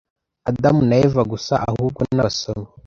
Adamu na Eva gusa ahubwo nabasomyi.